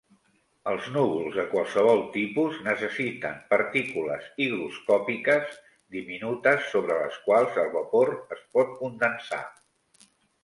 Els núvols de qualsevol tipus necessiten partícules higroscòpiques diminutes sobre les quals el vapor es pot condensar.